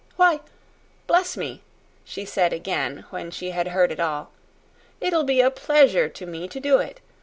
"Why, bless me!" she said again when she had heard it all; "it'll be a pleasure to me to do it.